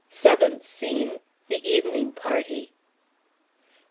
SEVENTH SCENE. The Evening Party.